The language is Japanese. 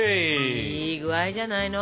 いい具合じゃないの？